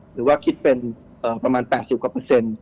หรือว่าคิดเป็นประมาณ๘๐กว่าเปอร์เซ็นต์